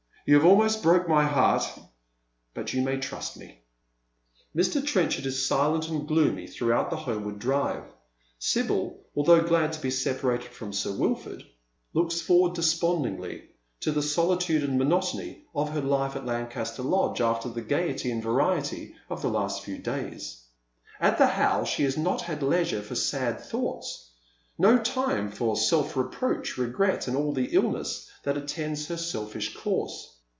" You have almost broke my heart, but you may trust me." Mr. Trenchard is silent and gloomy throughout the homeward drit^e. Sibyl, although glad to be separated from Sir Wilford, Joel Pilgrim. 817 looks f orwrard despondingly to the solitude and monotony of her Kfe at Lancaster Lodge after the gaiety and variety of the last few days. At the How she has not had leisure for sad thoughts I no time for self reproach, regret, and all the illness that attends her selfish course.